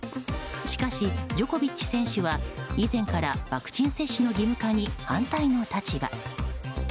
しかし、ジョコビッチ選手は以前からワクチン接種の義務化に反対の立場。